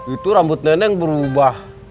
itu rambut nenek berubah